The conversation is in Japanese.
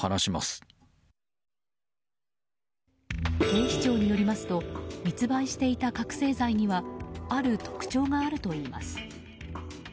警視庁によりますと密売していた覚醒剤にはある特徴があるといいます。